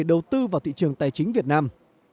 tăng tư vào thị trường tài chính việt nam